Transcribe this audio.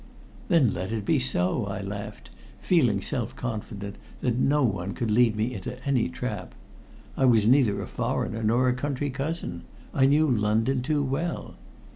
"Then let it be so," I laughed, feeling self confident that no one could lead me into any trap. I was neither a foreigner nor a country cousin. I knew London too well.